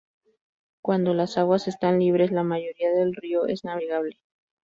Cuando las aguas están libres, la mayoría del río es navegable.